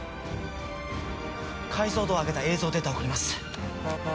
解像度を上げた映像データ送ります。